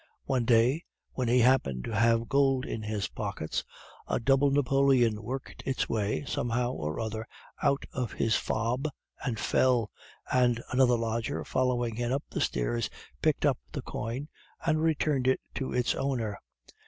One day, when he happened to have gold in his pockets, a double napoleon worked its way, somehow or other, out of his fob and fell, and another lodger following him up the stairs picked up the coin and returned it to its owner.